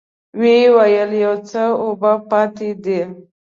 ويې ويل: يو څه اوبه پاتې دي.